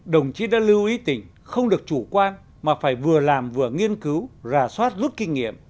đồng chí đã lưu ý tỉnh không được chủ quan mà phải vừa làm vừa nghiên cứu rà soát rút kinh nghiệm